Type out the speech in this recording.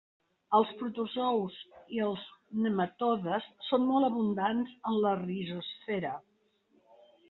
Els protozous i els nematodes són molt abundants en la rizosfera.